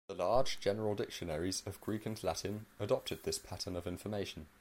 The large general dictionaries of Greek and Latin adopted this pattern of information.